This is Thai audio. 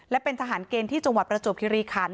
และเป็นทหารเกณฑ์ที่จังหวัดประจวบคิริคัน